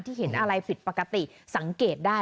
เห็นอะไรผิดปกติสังเกตได้